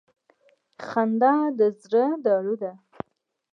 • خندا د زړه دارو ده.